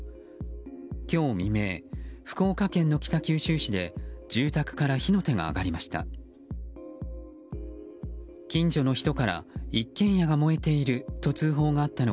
今日未明、福岡県の北九州市で住宅から火の手が上がりました。